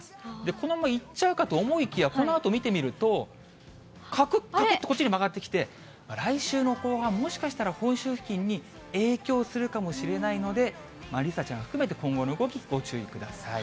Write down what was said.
このまま行っちゃうかと思いきや、このあと見てみると、かくっ、かくっとこっちに曲がってきて、来週の後半、もしかしたら本州付近に影響するかもしれないので、梨紗ちゃん含めて今後の動き、ご注意ください。